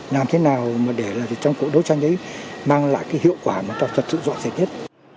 làm thế nào mà để trong cuộc đấu tranh đấy mang lại cái hiệu quả mà ta thật sự rõ rệt nhất